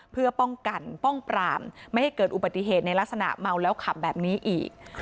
เพื่อป้องกันป้องปรามไม่ให้เกิดอุบัติเหตุในลักษณะเมาแล้วขับแบบนี้อีก